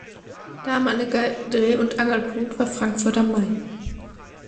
Damaliger Dreh- und Angelpunkt war Frankfurt am Main.